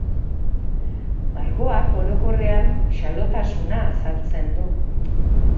Margoak, orokorrean, xalotasuna azaltzen du.